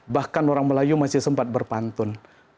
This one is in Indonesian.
bahkan orang melayu masih sempat berpantun